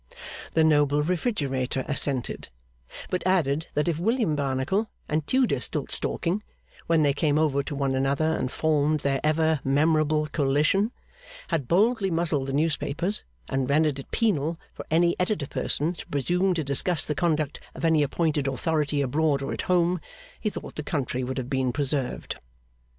The noble Refrigerator assented; but added that if William Barnacle and Tudor Stiltstalking, when they came over to one another and formed their ever memorable coalition, had boldly muzzled the newspapers, and rendered it penal for any Editor person to presume to discuss the conduct of any appointed authority abroad or at home, he thought the country would have been preserved.